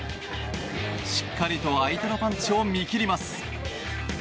しっかりと相手のパンチを見切ります。